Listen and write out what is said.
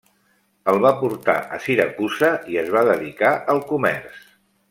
El va portar a Siracusa i es va dedicar al comerç.